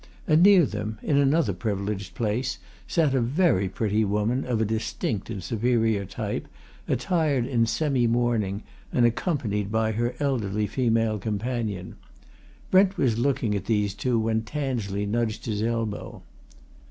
And near them, in another privileged place, sat a very pretty woman, of a distinct and superior type, attired in semi mourning, and accompanied by her elderly female companion. Brent was looking at these two when Tansley nudged his elbow.